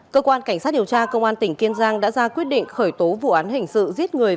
cơ quan cảnh sát điều tra công an tỉnh kiên giang đã ra quyết định khởi tố vụ án hình sự giết người